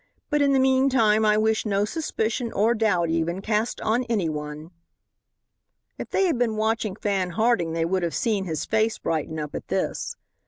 But in the meantime I wish no suspicion, or doubt even, cast on any one." If they had been watching Fan Harding they would have seen his face brighten up at this.